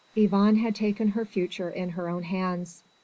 Yvonne had taken her future in her own hands!